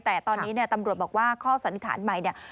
แต่ตอนนี้เนี่ยตำรวจบอกว่าข้อสันนิษฐานใหม่เนี่ย